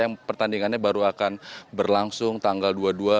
yang pertandingannya baru akan berlangsung tanggal dua puluh dua